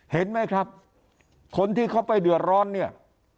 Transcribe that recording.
เห็นไหมครับคนที่เขาไปเดือดร้อนเนี่ย